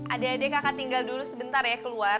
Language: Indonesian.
adek adek kakak tinggal dulu sebentar ya keluar